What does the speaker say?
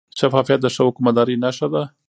شفافیت د ښه حکومتدارۍ نښه ده.